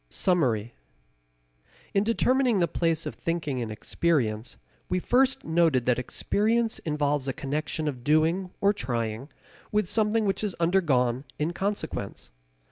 Summary. In determining the place of thinking in experience we first noted that experience involves a connection of doing or trying with something which is undergone in consequence.